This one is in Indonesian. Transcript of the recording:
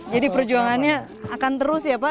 jadi perjuangannya akan terus ya pak